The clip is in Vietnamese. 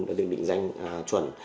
để nó được định danh chuẩn